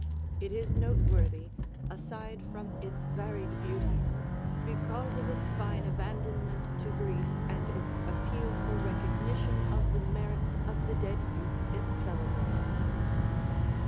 It is noteworthy, aside from its varied beauties, because of its fine abandonment to grief and its appeal for recognition of the merits of the dead youth it celebrates.